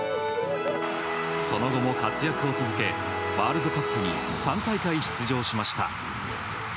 その後も活躍を続けワールドカップに３大会出場しました。